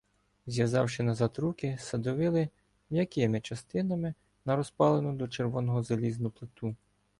Зав'язавши назад руки, садовили "м'якими частинами" на розпалену до червоного залізну плиту.